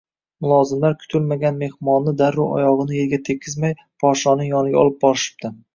Mulozimlar kutilmagan mehmonni darrov oyog`ini erga tekkizmay, podshohning yoniga olib borishibdi